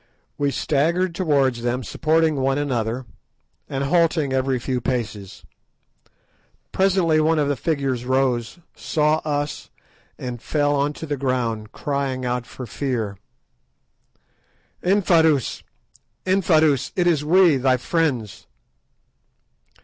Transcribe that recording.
We staggered towards them, supporting one another, and halting every few paces. Presently one of the figures rose, saw us and fell on to the ground, crying out for fear. "Infadoos, Infadoos! it is we, thy friends."